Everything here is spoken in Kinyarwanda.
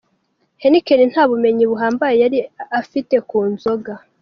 Heineken nta bumenyi buhambaye yari afite ku nzoga.